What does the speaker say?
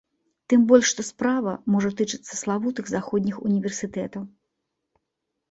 Тым больш, што справа можа тычыцца славутых заходніх універсітэтаў.